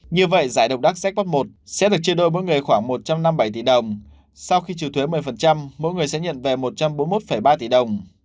như vậy giải độc đắc i sẽ được chia đôi mỗi người khoảng một trăm năm mươi bảy tỷ đồng sau khi trừ thuế một mươi mỗi người sẽ nhận về một trăm bốn mươi một ba tỷ đồng